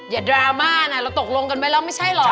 อย่าดราม่านะเราตกลงกันไปแล้วไม่ใช่หรอกละเบิด